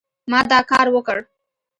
ما دا کار وکړ